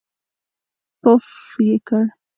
پووووووفففف یې کړ.